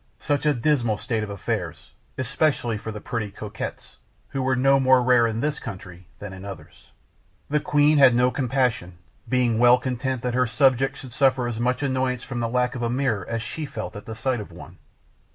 Such a dismal state of affairs, especially for the pretty coquettes, who were no more rare in this country than in others. The queen had no compassion, being well content that her subjects should suffer as much annoyance from the lack of a mirror as she felt at the sight of one.